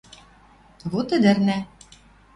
Вот ӹдӹрнӓ